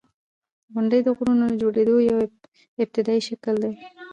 • غونډۍ د غرونو د جوړېدو یو ابتدایي شکل دی.